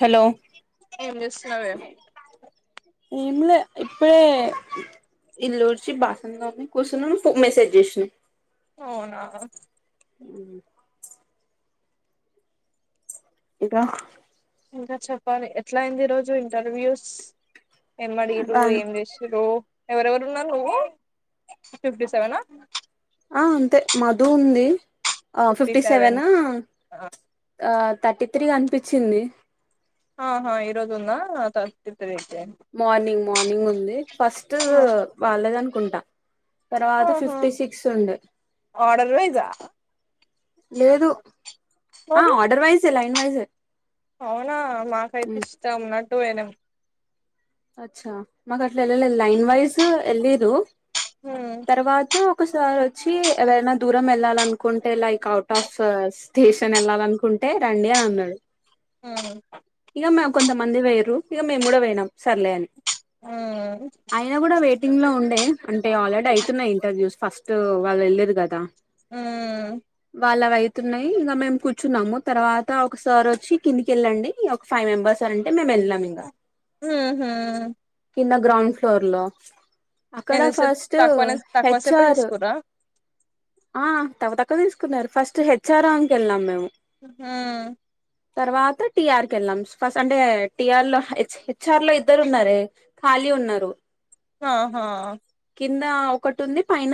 Hello ఏం చేస్తున్నావే ఏం లే ఇప్పుడే ఇల్లూడ్చి బాసన్లూ తోమి కూసున్నాను ఫో మెసేజ్ చేసినావు అవునా మ్ ఇంకా ఇంకా చెప్పాలి ఎట్లయింది ఈ రోజు ఇంటర్వ్యూస్ ఏం అడిగిండ్రు బానే ఏం చేస్తున్నావ్ ఎవరెవరు ఉన్నారు నువ్వు ఫిఫ్టీ సెవెనా ఆ అంతే మధు ఉంది అ ఫిఫ్టీ సెవెనా ఆ థర్టీత్రీ కనిపిచింది ఆహా ఇరోదున్నా థర్టీత్రీ మార్నింగ్ మార్నింగ్ ఉంది ఫస్టూ వాళ్ళదనుకుంటా తర్వాత ఆహా ఫిఫ్టీ సిక్స్ ఉండే ఆర్డర్ వైజా లేదు ఆ మరి ఆర్డర్ వైజ్ లైన్ వైజే అవునా మాకైతే ఇష్టం ఉన్నట్టు పోయినం అచ్చా మాకు అట్లా వెళ్ళలే లైన్ వైజ్ ఎళ్లిరూ హ్మ్ తర్వాత ఒకసారి వచ్చి ఎవరైనా దూరం వెళ్ళాలనుకుంటే లైక్ అవుట్ ఆఫ్ స స్టేషన్ వెళ్ళాలనుకుంటే అంటే రండి అన్నాడు ఉ ఇక మేము కొంతమంది పోయిరు ఇక మేము కూడా పోయినాం సర్లే అని హ్మ్ అయినా కూడా వెయిటింగ్ లో ఉండే అంటే ఆల్రెడీ అయితున్నాయి ఇంటర్వ్యూస్ ఫస్ట్ వాళ్ళు వెళ్ళిరు కదా ఉ వాళ్ళ అవయితున్నాయి ఇంకా మేము కూర్చున్నాము తర్వాత ఒక సార్ వచ్చి కిందికిళ్ళండి ఒక ఫైవ్ మెంబర్స్ అనంటే మేం వెళ్ళాం ఇంకా ఉ కింద గ్రాౌండ్ ఫ్లోర్ లో అక్కడ ఎంతసేపు ఫస్టు తక్కువనే తక్కువ సేపే హెచ్ఆర్ తీసుకుర్రా ఆ తగత క్క తీసుకున్నారు ఫస్ట్ హెచ్ఆర్ రౌండ్ కి వెళ్లిన్నాం మేము ఆ తర్వాత టీఆర్ కెళ్ళాం ఫస్ట్ అంటే టిఆర్ లో హెచ్ చార్లో ఇద్దరున్నారే ఖాళీ ఉన్నారు ఆహ కింద ఒకటి ఉంది పైన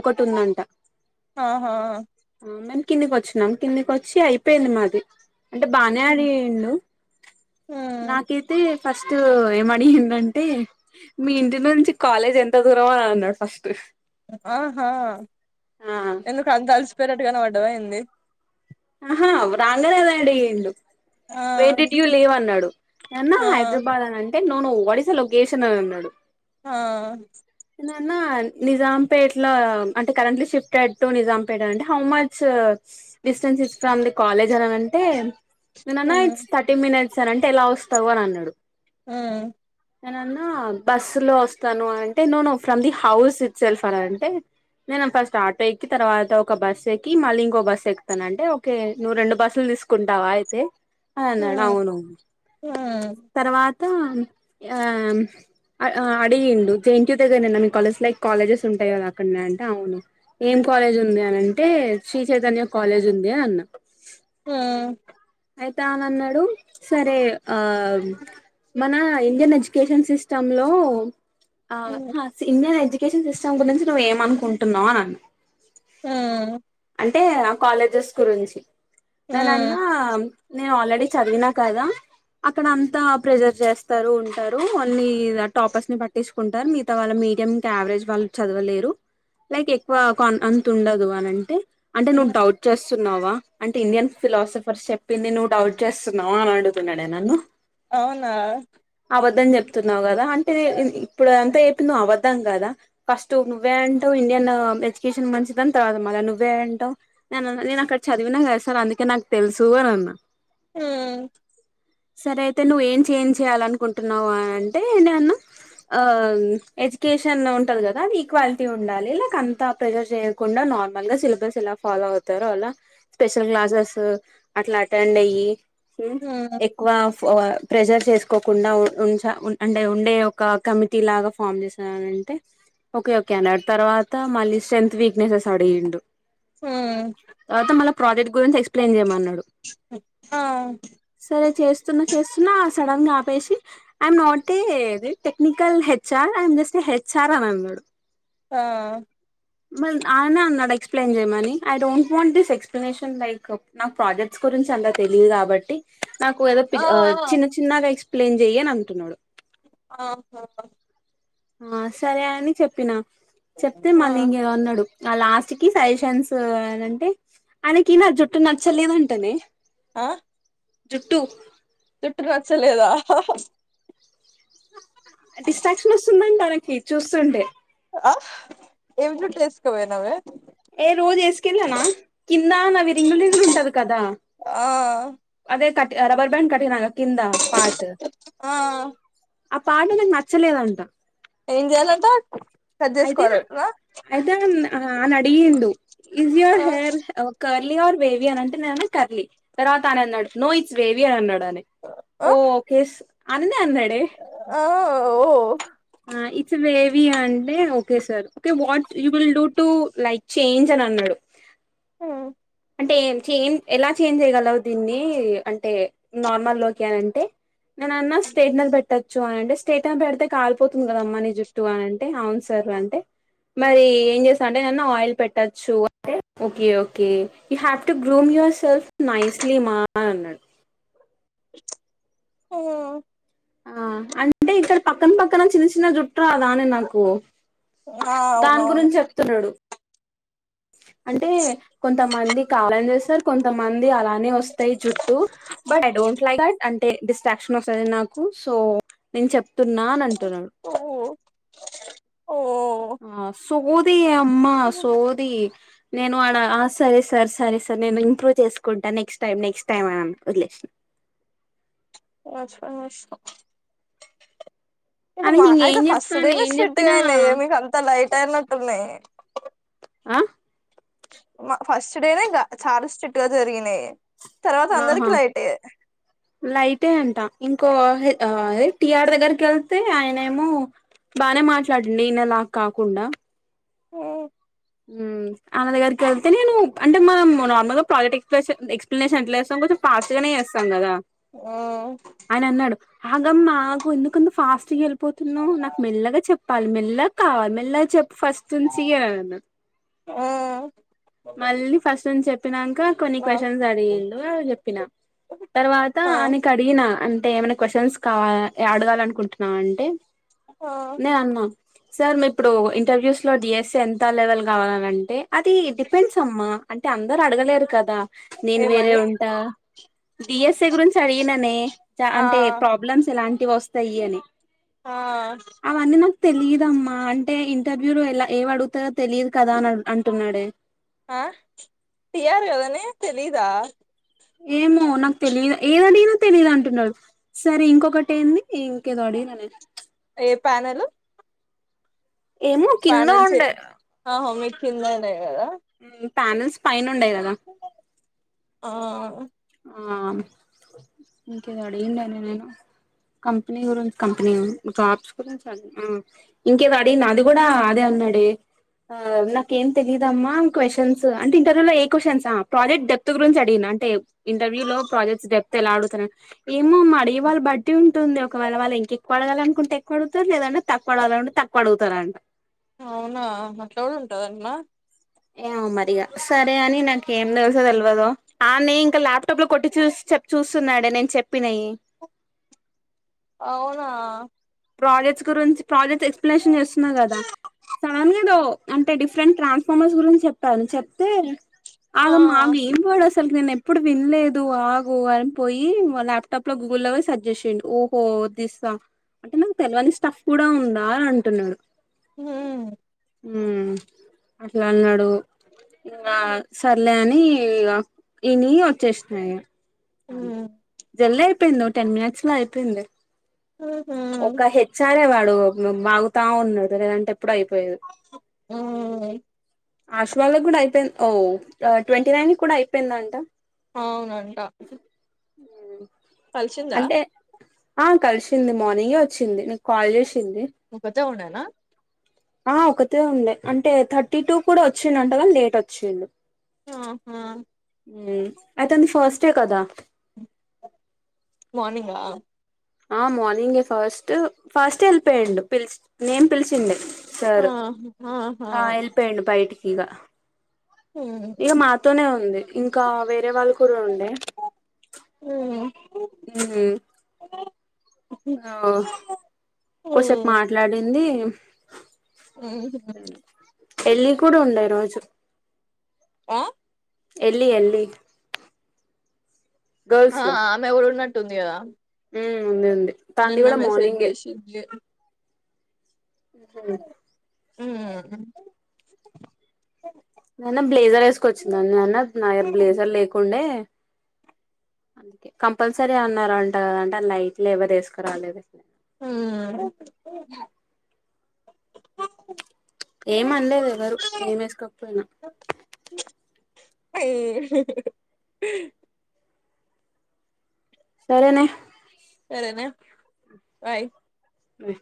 ఒకటి ఉందంట ఆహా మేము కిందికి వచ్చినం కిందికి వచ్చి అయిపోయింది మాది అంటే బానే హ్మ్ అడిండు హ్మ్ నాకైతే ఫస్ట్ ఏంఅడిగిండంటే మీ ఇంటి నుంచి కాలేజ్ ఎంత దూరం అని అన్నాడు ఫస్ట్ ఆహా ఆ ఎందుకు అంత అలిసిపోయినట్టు కనపడ్డవా ఏంది ఆహా వ్రలేదని అడిగిండు ఆ వేర్ డిడ్ యు లీవ్ అన్నాడు నన్న ఆ హైదరాబాద్ అని అంటే no no no what is the location అని అన్నాడు ఆ నేననా నిజాంపేటలో అంటే కరెంట్లీ షాఫెటెడ్ టో నిజాంపేట అంటే హౌ మచ్ డిస్టెన్స్ ఇష్టంది కాలేజ్ అనింటే నన్నా హ్మ్ ఇట్స్ థర్టీ మినిట్స్ సార్ అంటే ఎలా వస్తావు అని అన్నాడు ఆ నేనన్నా బస్సు లో వస్తాను అంటే no no from the house it సెల్ఫన్ అంటే నేను ఫస్ట్ ఆటో ఎక్కి తర్వాత ఒక బస్ ఎక్కి మళ్ళీ ఇంకో బస్సు ఎక్కు స్తానంటే ఓకే నువ్వు రెండు బస్సులు తీసుకుంటావా అయితే అన్నాడు హ్మ్ అవును హ్మ్ తర్వాత ఆ అడిగిండు జెంట్యూ దగ్గరన్న మీ కాలజ లైక్ కాలేజెస్ ఉంటాయి కదా అక్కడనే అంటే అవును ఏం కాలేజ్ ఉంది అని అంటే శ్రీ చైతన్య కాలేజ్ ఉంది అన్న హ్మ్ అయితే అని అన్నాడు సరే ఆ మన ఇండియన్ ఎడ్యుకేషన్ సిస్టమ్ లో ఆ ఇండియన్ ఎడ్యుకేషన్ సిస్టమ్ గురించి నువ్్వ ఏమనుకుంటున్నావు అన ఆ అంటే కాలేజెస్ గురించి హ్మ్ నేననా నేను ఆల్రెడీ చదివినా కదా అక్కడ అంతా ప్రెజర్ చేస్తారు ఉంటారు న్లీ టాపర్స్ ని పట్టించుకుంటారు మిగతా వాళ్ మీ మీడియం కీ యావరేజ్ వాళ్ళు చదవలేరు లైక్ ఎక్కువ అంత ఉండదు అని అంటే అంటే నువ్వు హ్మ్ డౌట్ చేస్తున్నావా అంటే ఇండియన్ ఫిలాసఫర్ చెప్ పిన్ని నుూ అవుట్ చేస్తున్నావా అని అండుతున్నాడే నన్ను అవునా అబద్ధం చెప్తున్నావు కదా అంటే ఇప్పుడు అంతా చెప్పి నువ్వువద్ ద్దాం కదా ఫస్ట్ నువ్వే అంటావు ఇండియన్ ఎడ్యుకేషన్ మంచిదని తర్వాత మళా నువ్వే అంటావు నేనను నేను అక్కడ చదివినా కదా సార్ అందుకే నాకు తెలుసు అని హ్మ్ సరే అయితే నువేం ఏం చేంజ్ చెయాల అనుకుంటున్నావు అంటేనే అన్నా ఆ ఎడ్యుకేషన్ ఉంటది కదా అ ఈక్వాలిటీ ఉండాలి ఇక అంతా ప్రెజర్ చేయకుండా నార్మల్ గ సిలబస్ ఇలా ఫాలో అవుతారో ఆలా స్పెషల్ క్లాస్సేస్ అట్లా స్టండ్ అయ్యి హ్మ్ ఎక్కువ ప్రెజర్ చేసుకోకుండా ఉ అంటే ఉండే ఒక కమిటీ లాగా ఫామ్ చేసంటే ఓకే ఓకే అన్నడు తర్వాత మళ్ళీ స్ట్రెంత్ వీక్నెసెస్ అడిగిండు హ్మ్ తర్వాత మళ్ళా ప్రాజెక్ట్ గురించి ఎక్స్ప్లెయిన్ చేయమన్నాడు ఆ సరే చేస్తున్నా చేస్తున్నా సడన్ గా ఆపేసి I'm not a the technical HR I'm just HR అని అన్న డు ఆ మరి ఆయనే అన్నాడు ఎక్స్ప్లెయిన్ చేయమని I don't want this explanation like నాకు ప్రాజెక్ క్ట్ గురించి అంత తెలిదు కాబట్టి నాకు ఏదో ప్ ఆ చిన్న చిన్నగా ఎక్ ప్లైన్ చెయ్యి అని అంటున్నాడు ఆహా ఆ సరే అని చెప్పిన చెప్తే ఆ మళ్ళీ ఇంగ ఏదో అన్నాడు ఆ లాస్ట్ కి సజెషన్స్ షేన్స్ అని అంటే ఆయనకి నా జుట్టు నచ్చలేదంటేనే ఆ జుట్టు జుట్టు నచ్చలేదా డిస్ట్రాక్షన్ వస్తుందంట తనకి చూస్తుంటే ఆ ఏమ్ జుట్టు ఏసుకపోయినవే ఏ రోజు ఏసుకెళ్ళనా కింద నవి రింగులు రింగులు ఉంటది కదా ఆ అ రబ్బర్ బ్యాడ్ కట్టిన కింద పార్ట్ ఆ ఆ పార్ట్ ఆయనకు నచ్చలేదంట ఏంచేయాలట అయితే అ అయితే అన్ హా అని అడిగిండు ఈస్ ఆ యువర్ హెయిర్ హే హా కర్లీ ఆర్ బేవి అని అంటే నేనన్న కర్లీ తర్వాత అనన్నాడు నో ఇట్స్ వేవియర్ అన్నాడా ఆయన ఆ ఓకేస్ అని అన్ అన్నడే ఆ ఓ ఆ ఇట్స్ ఏ వేవియా అం టే okay sir okay what you will do to uh like change అని అన్నాడు మ్మ్ అంటే ఎం చేంజ్ ఎలా చేంజ్ చేయ్యగలవు దీన్ని ఈ అంటే నార్మల్ లోకి అని అంటే నేనన్నా స్టేట్ నర్ పెట్టచ్చు అని అంటే స్టేటప్ పెడితే కాలపోతుంది గదామ్మ నీ జుట్టు అని అంటే అవును సార్ అంటే మరి ఏం చేస్తా అంటే నేనన్న ఆయిల్ పెట్టచ్చు అంటే okay okay you have to groom yourself nicely మా అన్నాడు ఆ ఆ అంటే ఇక్కడ పక్కన పక్కన చిన్న చిన్న జుట్టు రా దానే నాకు దాని అవునవును గురించి చెప్తున్నడు అంటే కొంత మంది కాలం చేస్తారు కొంతమంది అలానే వస్తాయి జుట్టు but I don't like that అంటే డిస్ట్రాక్షన్ వస్తది నాకు సో నేను చెప్ మ్మ్ ఒ ఆ సొది అమ్మా సోది నేను ఆడ సరే సార్ సరే సార్ నేను ఇంప్రూవ్ చేసుకుంటా నెక్స్ట్ టైం నెక్స్ట్ టైమ్ అని అన్న వదిలేసినా [inaudible] కచ్చితంగా వస్తా ఇది మా ఆయనకి అయితే ఇంకేం ఫస్ట్ చెప్తాను డేనే ఏం షిట్గా చెప్పినా అయినాయే మీకంత లైట్ గ అయినట్టున్నాయి ఆ మా ఫస్ట్ డేనే ఇంగ చాల స్ట్రిట్ గా జరిగినయి ఆహా లైటే అంట ఇంక్ కొ హే ఆ ఏ టిఆర్ దగ్గరకి ఏళ్తే ఆయన ఏమో బానే మాట్లాడిండ్ ఈనలా కాకుండా ఊ మ్ ఆమ దగరికి ఏళ్తే నేను అంటే మనం నార్మల్గ ప్రాజేటిక్ ప్లేస్ ఏ ఎక్స్ప్లెనేషన్ ప్లేస్ ఏ కొంచం ఫాస్ట్ గానే చేస్తాం గదా ఆయన అన్నాడు. ఆగమ్మ ఆగు ఎందుకంత ఫాస్టుగా ఏళ్ళిపోతున్నావు నాకు మెల్లగా చెప్ వాల్ మెల్ల కావాలి మెల్లగా చెప్పు ఫస్ట్ నుంచి అన్ అన్నడు ఊ మళ్ళీ ఫస్ట్ నుంచి చెప్పినంక కొన్ని క్వశ్చన్స్ అడిగిండు అవి చెప్పినా తర్వాత ఆనకి అడిగినా అంటే ఏమన క్వశ్చన్స్ కావాల అడగాల ఎ అనుకుంటున్నావా అంటే ఆ నేను అన్నా సార్ మిప్పుడు ఇంటర్వ్యూస్ లో డిఎస్సే ఎంత లెవెల్ కావాలని అంటే అది డిపెండ్స్ అమ్మా అన్ టే అందరు అడగలేరు కదా నేను వేరే ఏమని ఉంటా డిఎస్ఏ గురించి అడిగిననే చ ఆ అంటే ప్రాబ్లమ్స్ ఎలాంటి వస్తయి అని ఆ అవన్నీ నాకు తెలిదమ్మా అంటే ఇంటర్వ్యూలో ఎలా ఏవడుగుతరొ తెలిద్ కదాని అడ్ అంటున్నాడే ఆ టీర్ కదనే తెలీదా ఏమో నాకు తెలిద్ ఏదడిగినా తెలిదు అంటున్నాడు సరే ఇంకొకటి ఏంది ఇంకేదో అడిగి ఇననే ఏ ప్యానలు ఏమో కింద పానెల్ చే ఉండే ఓహో మీకిందనేగదా పానల్స్ పై నుండే గదా ఆవును ఆ ఇంకేదో అడిగుండనే నేను కంపెనీ గురి కంపెనీ జాబ్స్ గురించి అడి అ ఇంకేదో అడిగిన అదిగూడ అదే నడే ఆ నాకు ఏం తెలీదమ్మా క్వశ్చన్స్ అంటే ఇంటర్వ్యూలో ఏ క్వశ్చన్స్ ఆ ప్రాజెక్ట్ డెప్త్ గురించడిగిన అంటే ఇంటర్వ్యూ లో ప్రాజెక్ట్స్ డెప్తేలా అడుగుతారన్ ఏమోమ్మ అడివాళ్ళ బట్టి ఉంటుంది ఒకవేళ వాళ్ళింకేక్కువ అడగాలనుకుంటే ఎక్కువడుగుతరు లేదంటే తక్కువడగాలనుంటే తక్కువడుగుతారంట. అవునా అట్లగుడుంటదంటన్న. ఏమోమరిగా సరే అని నాకు ఏం తెలుసో తెల్వదో ఆన్నె ఇంక ల్యాప్టాప్ లో కొట్టి చూసి చెప్ చూస్తున్నాడే నేన్ చెప్పినయి. అవునా ప్రాజెక్ట్స్ గురించి ప్రాజెక్ట్స్ ఎక్స్ప్లనేషన్ చేస్తున్నా కదా. సడెన్గేదో అంటే డిఫరెంట్ ట్రాన్స్ఫార్మర్స్ గురించి చెప్పారు చెప్తే. ఆ ఆగమ్మా ఆగ్ ఏం గోడస్ అసలుకి నేను ఎప్పుడు వినలేదు ఆగు అని పోయి వ ల్యాప్టాప్ లో గూగుల్లో సజెసిండు ఓహో ఒ దిస్స అంటే నాకు తెలవని స్టఫ్ కూడా ఉందా అని అంటున్నడు. ఊ ఊమ్ అట్లన్నడు ఇంగా సర్లే అని ఇగ ఇని వచ్చేసినా ఇగ హ్మ్ అంతే జల్దయిపోయింది ఒ టెన్ మినట్స్ ల అయిపోయింది. ఉ ఒక హెచ్ఆరే వాడు వాగుతావున్నాడు లేదంటే ఎప్పుడో అయిపోయేది ఆశువాళగూడా అయిపోయింది ఓ ట్వంటీ నైన్ కూడా అయిపోయిందంట అవునంట కలిషిందా అంటే ఆ కలిశింది మార్నింగే ఒచ్చింది నిక్కాల్ జేసి ఒకతే ఉండేనా ఆ ఒకతే ఉండే అంటే థర్టీ టూ కూడా వచ్చిదంటగాని లేట్ వచ్చింది ఆహా హ్మ్ అయితేంది ఫస్ట్ స్టే కదా మార్నింగా ఆ మార్నింగే ఫస్ట్ ఫస్ట్ యెళ్ళిపోయిండు పిలిచ నేను పిలిచిండే ఆహా సారు ఆహా ఆ వెళ్ళిపోయిండు బయటికి ఇగ హ్మ్ ఇగ మాతోనే ఉంది ఇంకా వేరే వాళ్ళు కూడ ఉండే హ్మ్ హ్మ్ ఆ హ్మ్ కొసేపు ఊహూ మాట్లాడింది పెళ్ళికూడుండే ఈరోజు ఆ ఎల్లి ఎళ్లి ఆ ఆమె కూడా ఉన్నట్టుంది గదా హ్మ్ ఉంది ఉంది తనది కూడా మార్నింగే చేసింది మ్మ్ హూ హ్మ్ నిన్న బ్లేజర్ వేసుకొచ్చింది నేన్ అనా నా దగ్గర బ్లేజర్ లేకుండే అందుకే కంపల్సరీ అన్నారంట కదా అంటే లైట్ ఫ్లేవర్ యేసక రాలేదు హ్మ్ ఏమనలేదు ఎవరు ఏం వేసుకోకపోయినా అయ్యొ సరేనే సరేనా బాయ్ ఆహ